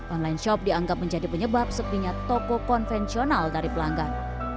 online shop dianggap menjadi penyebab sepinya toko konvensional dari pelanggan